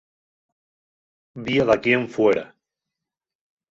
Vi a daquién fuera.